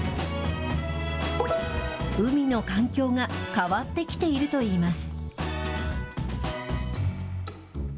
海の環境が変わってきているといいます。